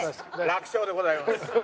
楽勝でございます。